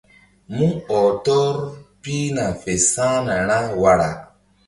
Mú ɔh tɔr pihna fe sa̧hna ra wara.